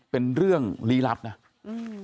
เป็นเรื่องลี้ลับนะอืม